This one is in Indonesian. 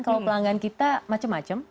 kalau pelanggan kita macam macam